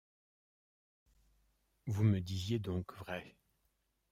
Vous me disiez donc vrai.